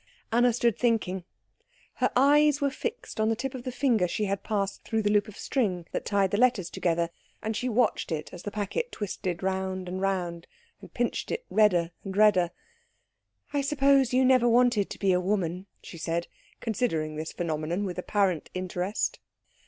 Anna stood thinking. Her eyes were fixed on the tip of the finger she had passed through the loop of string that tied the letters together, and she watched it as the packet twisted round and round and pinched it redder and redder. "I suppose you never wanted to be a woman," she said, considering this phenomenon with apparent interest.